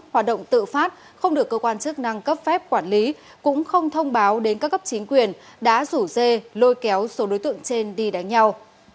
hoạt động tự phát không được cơ quan chức năng cấp phép quản lý cũng không thông báo đến các cấp chính quyền đã rủ dê lôi kéo số đối tượng trên đi đánh nhau